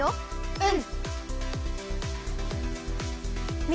うん。